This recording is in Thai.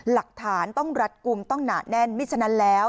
หลักฐานต้องรัดกลุ่มต้องหนาแน่นไม่ฉะนั้นแล้ว